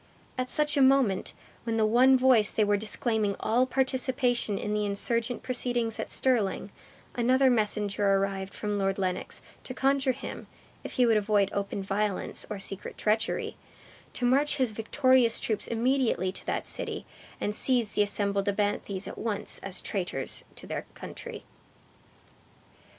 At such a moment, when the one voice they were disclaiming all participation in the insurgent proceedings at Stirling, another messenger arrived from Lord Lennox, to conjure him, if he would avoid open violence or secret treachery, to march his victorious troops immediately to that city, and seize the assembled abthanes at once as traitors to their country.